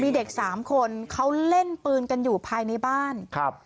มีเด็กสามคนเขาเล่นปืนกันอยู่ภายในบ้านครับ